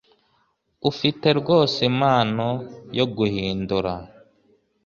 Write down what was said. Ufite rwose impano yo guhindura.